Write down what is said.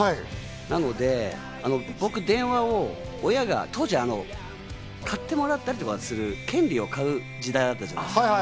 なので、僕、電話を親が当時、買ってもらったりとかする権利を買う時代あったじゃないですか。